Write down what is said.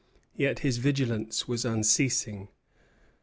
Yet his vigilance was unceasing.